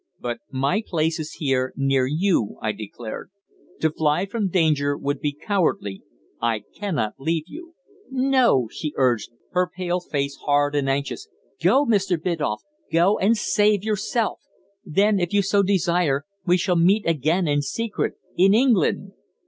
"But my place is here near you," I declared. "To fly from danger would be cowardly. I cannot leave you." "No," she urged, her pale face hard and anxious. "Go, Mr. Biddulph; go and save yourself. Then, if you so desire, we shall meet again in secret in England."